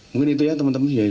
mungkin itu ya teman teman ya